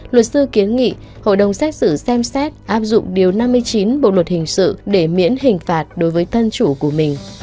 luật sư kiến nghị hội đồng xét xử xem xét áp dụng điều năm mươi chín bộ luật hình sự để miễn hình phạt đối với thân chủ của mình